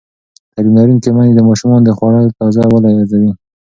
تعلیم لرونکې میندې د ماشومانو د خوړو تازه والی ارزوي.